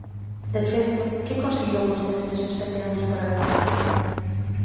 De feito, ¿que conseguiron vostedes neses sete anos para Galicia?